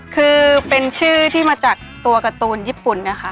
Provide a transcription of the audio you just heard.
คือเป็นชื่อที่มาจากตัวการ์ตูนญี่ปุ่นนะคะ